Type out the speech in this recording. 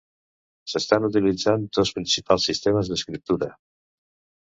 S'estan utilitzant dos principals sistemes d'escriptura.